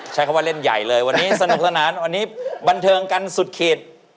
ใช้คำว่าเล่นใหญ่เลยวันนี้สนุกสนานวันนี้บันเทิงกันสุดขีด